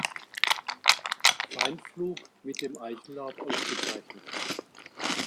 Feindflug mit dem Eichenlaub ausgezeichnet.